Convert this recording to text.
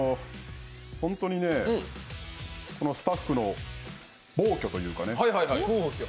ホントにね、このスタッフの暴挙というかね